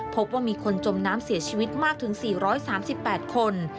พบว่ามีคนจมน้ำเสียชีวิตมากถึง๔๓๘คน